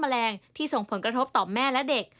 แมลงที่ส่งผลกระทบต่อแม่และเด็ก